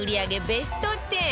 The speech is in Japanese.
ベスト１０